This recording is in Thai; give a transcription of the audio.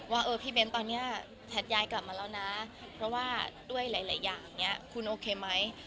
ว่าเออพี่เบ้นตอนนี้แท็กยายกลับมาแล้วนะเพราะว่าด้วยหลายอย่างเนี่ยคุณโอเคไหม